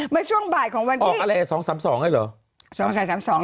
ไม่ช่วงบ่ายของวันที่ออกอะไร๒๓๒ได้เหรอ